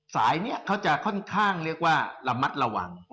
สายนี้เขาจะค่อนข้างเรียกว่าระมัดระวัง